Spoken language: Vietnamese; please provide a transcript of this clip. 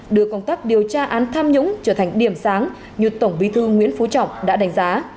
đưa công tác điều tra án tham nhũng trở thành điểm sáng như tổng bí thư nguyễn phú trọng đã đánh giá